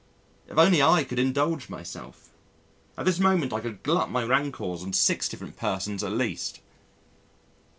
If only I could indulge myself! At this moment I could glut my rancours on six different persons at least!